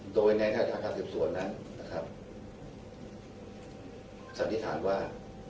โดยในท่าทางพนธาษศพส่วนนั้นสันนิษฐานว่า